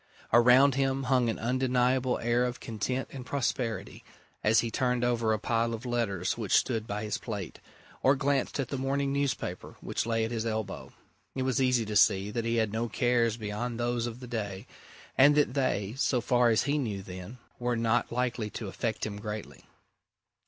Around him hung an undeniable air of content and prosperity as he turned over a pile of letters which stood by his plate, or glanced at the morning newspaper which lay at his elbow, it was easy to see that he had no cares beyond those of the day, and that they so far as he knew then were not likely to affect him greatly.